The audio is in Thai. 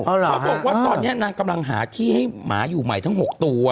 เขาบอกว่าตอนนี้นางกำลังหาที่ให้หมาอยู่ใหม่ทั้ง๖ตัว